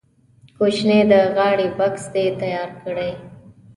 کوچنی د غاړې بکس دې تیار کړي.